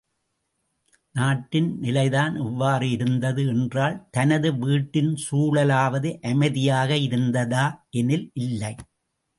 நாட்டின் நிலைதான் இவ்வாறு இருந்தது என்றால், தனது வீட்டின் சூழலாவது அமைதியாக இருந்ததா எனில் இல்லை.